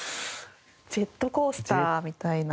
ジェットコースターみたいな。